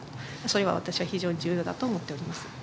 それは私は非常に重要だと思っております。